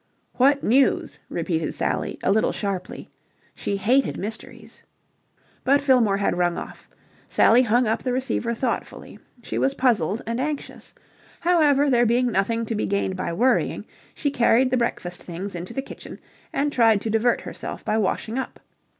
"What news?" repeated Sally, a little sharply. She hated mysteries. But Fillmore had rung off. Sally hung up the receiver thoughtfully. She was puzzled and anxious. However, there being nothing to be gained by worrying, she carried the breakfast things into the kitchen and tried to divert herself by washing up.